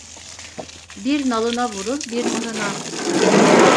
Bir nalına vurur, bir mıhına.